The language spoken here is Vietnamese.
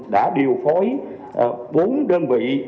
đã điều phối bốn đơn vị